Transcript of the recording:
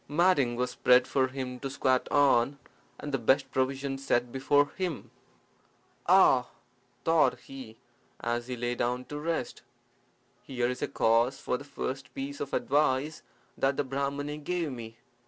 Matting was spread for him to squat on, and the best provisions set before him. "Ah!" thought he, as he lay down to rest, "here is a case for the first piece of advice that the Brahmani gave me.